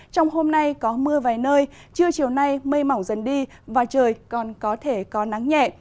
trong hôm nay có mưa vài nơi trưa chiều nay mây mỏng dần đi và trời còn có thể có nắng nhẹ